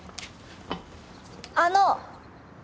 あの！